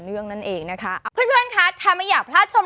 อืมสะสม